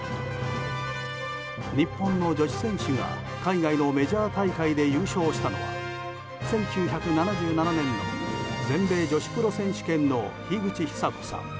日本の女子選手が海外のメジャー大会で優勝したのは１９７７年の全米女子プロ選手権の樋口久子さん。